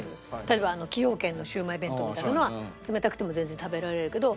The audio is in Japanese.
例えば崎陽軒のシウマイ弁当みたいなのは冷たくても全然食べられるけど。